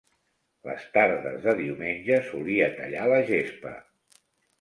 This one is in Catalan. Les tardes de diumenge solia tallar la gespa.